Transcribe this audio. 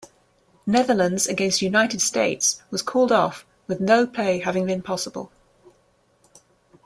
Netherlands against United States was called off with no play having been possible.